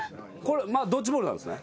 ドッジボールなんすね？